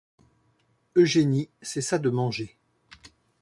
Eugénie cessa de manger.